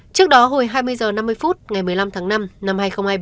trước đó hồi hai mươi h năm mươi phút ngày một mươi năm tháng năm năm hai nghìn hai mươi bốn